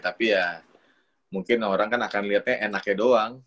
tapi ya mungkin orang kan akan lihatnya enaknya doang